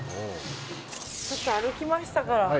ちょっと歩きましたから。